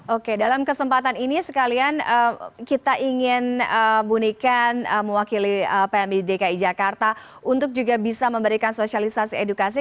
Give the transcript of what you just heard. oke dalam kesempatan ini sekalian kita ingin bunikan mewakili pmi dki jakarta untuk juga bisa memberikan sosialisasi edukasi